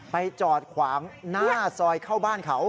จอดขวางหน้าซอยเข้าบ้านเขา